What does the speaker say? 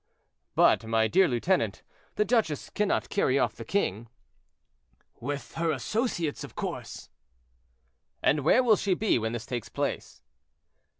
"But, my dear lieutenant, the duchess cannot carry off the king." "With her associates, of course." "And where will she be when this takes place?"